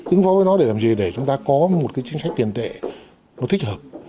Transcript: ứng phó với nó để làm gì để chúng ta có một cái chính sách tiền tệ nó thích hợp